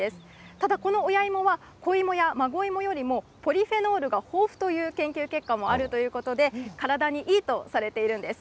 ただこの親芋は、子芋や孫芋よりもポリフェノールが豊富という研究結果もあるということで、体にいいとされているんです。